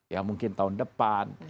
ya mungkin tahun depan